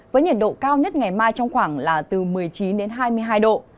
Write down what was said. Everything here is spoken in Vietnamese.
với nhiệt độ cao nhất ngày mai trong khoảng là từ một mươi chín đến hai mươi hai độ